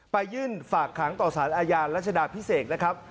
ไปยื่นฝากขังต่อสารอาญารัชดาพิเศษนะครับ